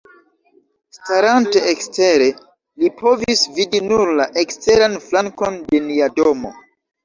Starante ekstere, li povis vidi nur la eksteran flankon de nia domo.